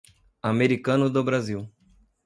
Americano do Brasil